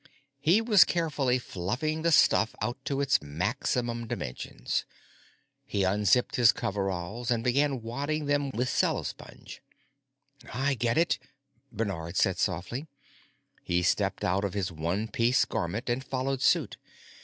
He was carefully fluffing the stuff out to its maximum dimensions. He unzipped his coveralls and began wadding them with cellosponge. "I get it," Bernard said softly. He stepped out of his one piece garment and followed suit.